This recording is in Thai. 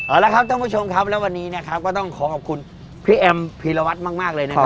เอาละครับท่านผู้ชมครับแล้ววันนี้นะครับก็ต้องขอขอบคุณพี่แอมพีรวัตรมากเลยนะครับ